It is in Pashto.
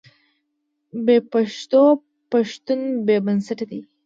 بې پښتوه پښتون بې بنسټه دی.